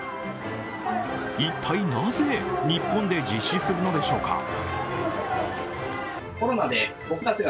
一体なぜ日本で実施するのでしょうか。